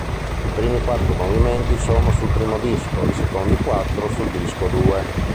I primi quattro movimenti sono sul primo disco, i secondi quattro sul disco due.